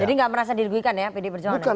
jadi tidak merasa dirugikan ya pdi perjuangan